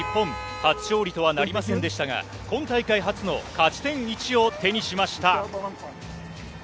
初勝利とはなりませんでしたが、今大会初の勝ち点１を手にしました。